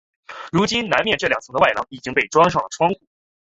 如今南面这两层的外廊已经被装上窗户。